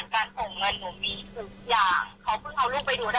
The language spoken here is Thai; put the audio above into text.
ตลอดเวลาที่ผ่านมาคือลูกอยู่กับหนูกับแม่หนูมาตลอด